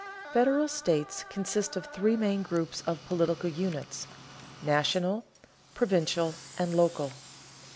Federal states consist of three main groups of political units: national, provincial, and local.